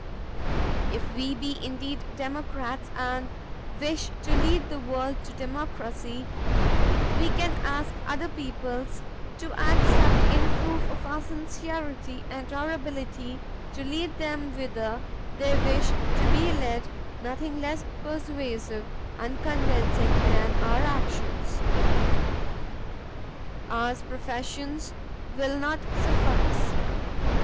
If we be indeed democrats and wish to lead the world to democracy, we can ask other peoples to accept in proof of our sincerity and our ability to lead them whither they wish to be led nothing less persuasive and convincing than our actions. Ours professions will not suffice.